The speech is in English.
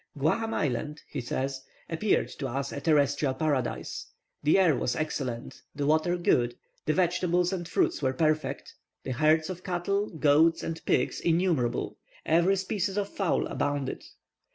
"Guaham Island," he says, "appeared to us a terrestrial paradise. The air was excellent, the water good, the vegetables and fruits were perfect, the herds of cattle, goats, and pigs, innumerable; every species of fowl abounded."